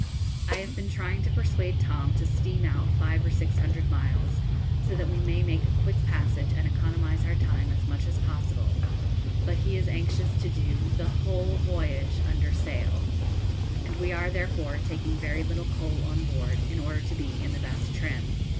I have been trying to persuade Tom to steam out five or six hundred miles, so that we may make a quick passage and economise our time as much as possible, but he is anxious to do the whole voyage under sail, and we are therefore taking very little coal on board, in order to be in the best trim.